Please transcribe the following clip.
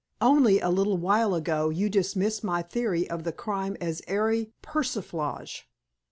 "Only a little while ago you dismissed my theory of the crime as airy persiflage."